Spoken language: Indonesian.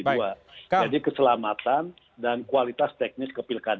jadi keselamatan dan kualitas teknis kepilkadaan